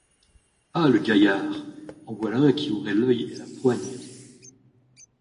Ah! le gaillard ! en voilà un qui aurait l’œil et la poigne !